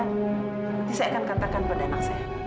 nanti saya akan katakan pada anak saya